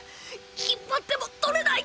引っ張っても取れない！